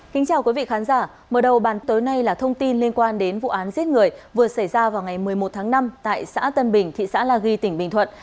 kính chào quý vị khán giả mở đầu bàn tối nay là thông tin liên quan đến vụ án giết người vừa xảy ra vào ngày một mươi một tháng năm tại xã tân bình thị xã la ghi tỉnh bình thuận